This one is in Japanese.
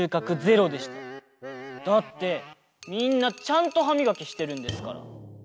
だってみんなちゃんとはみがきしてるんですから。